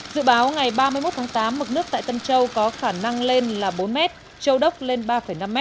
dự báo ngày ba mươi một tháng tám mực nước tại tân châu có khả năng lên là bốn m châu đốc lên ba năm m